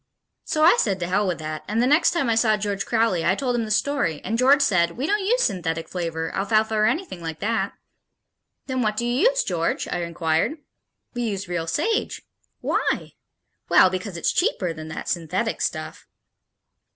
So I said to hell with that and the next time I saw George Crowley I told him the story and George said, "We don't use synthetic flavor, alfalfa or anything like that." "Then what do you use, George?" I inquired. "We use real sage." "Why?" "Well, because it's cheaper than that synthetic stuff."